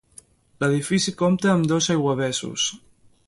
L'edifici compta amb dos aiguavessos.